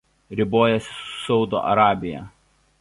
Ribojasi su Saudo Arabija.